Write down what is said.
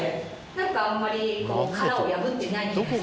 何かあんまり殻を破ってない気がする。